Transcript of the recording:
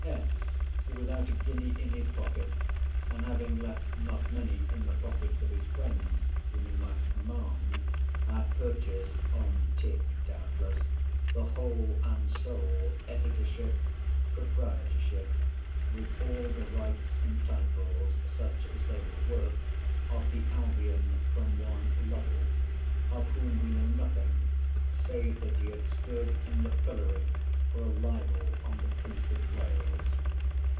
F., without a guinea in his pocket, and having left not many in the pockets of his friends whom he might command, had purchased (on tick doubtless) the whole and sole Editorship, Proprietorship, with all the rights and titles (such as they were worth) of the Albion, from one Lovell; of whom we know nothing, save that he had stood in the pillory for a libel on the Prince of Wales.